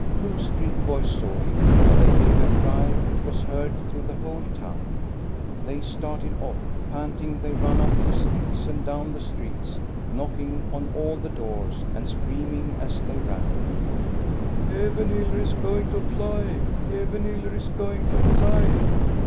Two street boys saw him, and they gave a cry which was heard through the whole town. They started off; panting, they ran up the streets and down the streets, knocking on all the doors, and screaming as they ran: — "Kevenhiiller is going to fly! Kevenhiiller is going to fly!"